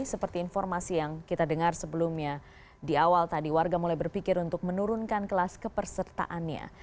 seperti informasi yang kita dengar sebelumnya di awal tadi warga mulai berpikir untuk menurunkan kelas kepersertaannya